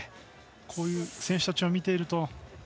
こういう選手たちを見ていると。